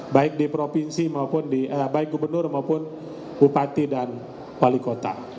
baik di provinsi maupun baik gubernur maupun bupati dan wali kota